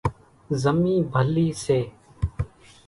زمِي ڀلِي سي۔